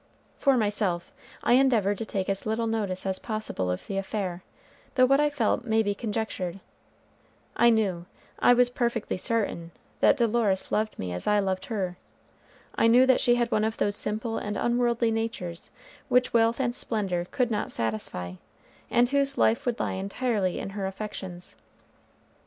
For myself, I endeavored to take as little notice as possible of the affair, though what I felt may be conjectured. I knew, I was perfectly certain, that Dolores loved me as I loved her. I knew that she had one of those simple and unworldly natures which wealth and splendor could not satisfy, and whose life would lie entirely in her affections.